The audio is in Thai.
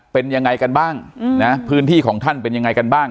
เป็นยังไงกันบ้างนะพื้นที่ของท่านเป็นยังไงกันบ้าง